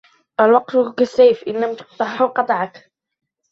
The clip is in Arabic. الوقت كالسيف ان لم تقطعه قطعك